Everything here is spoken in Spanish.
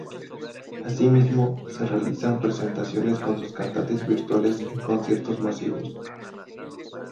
Asimismo, se realizan presentaciones con sus cantantes virtuales en conciertos masivos.